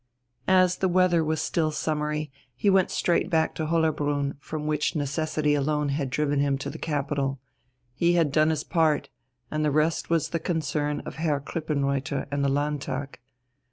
As the weather was still summery, he went straight back to Hollerbrunn, from which necessity alone had driven him to the capital. He had done his part, and the rest was the concern of Herr Krippenreuther and the Landtag.